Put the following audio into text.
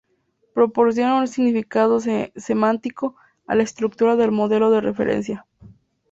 Proporciona un significado semántico a la estructura del modelo de referencia.